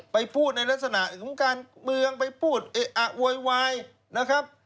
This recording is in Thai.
พูดในลักษณะของการเมืองไปพูดเอะอะโวยวายนะครับ